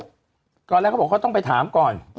ตอนแรกเขาบอกเขาต้องไปถามก่อน